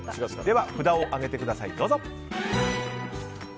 では札を上げてください。